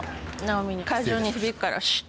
なおみに。